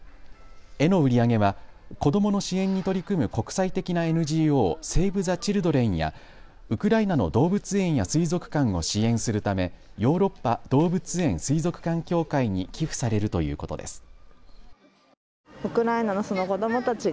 絵の売り上げは子どもの支援に取り組む国際的なＮＧＯ、セーブ・ザ・チルドレンやウクライナの動物園や水族館を支援するためヨーロッパ動物園・水族館協会に寄付されるということです。